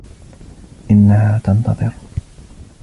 إنها تنتظر.